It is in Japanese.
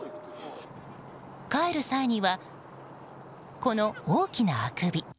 帰る際には、この大きなあくび。